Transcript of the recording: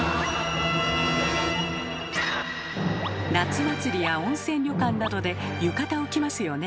夏祭りや温泉旅館などで浴衣を着ますよね。